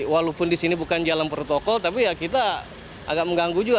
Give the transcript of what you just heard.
walaupun di sini bukan jalan protokol tapi ya kita agak mengganggu juga